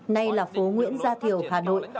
nay là phố nguyễn gia thiều hà nội